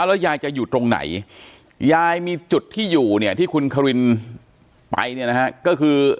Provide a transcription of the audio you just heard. แล้วยายจะอยู่ตรงไหนยายมีจุดที่อยู่เนี่ยที่คุณควินไปเนี่ยนะฮะก็คือ